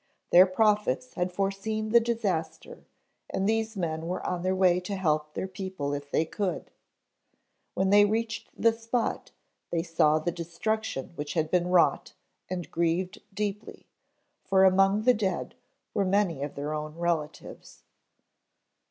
Their prophets had foreseen the disaster and these men were on their way to help their people if they could. When they reached the spot they saw the destruction which had been wrought and grieved deeply, for among the dead were many of their own relatives."